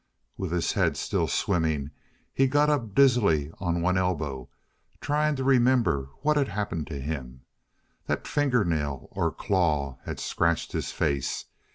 With his head still swimming he got up dizzily on one elbow, trying to remember what had happened to him. That fingernail, or claw, had scratched his face.